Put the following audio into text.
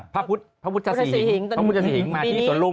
พระพุทธศรีพระพุทธศรีห์มาที่สวนลุม